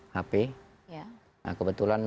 hp nah kebetulan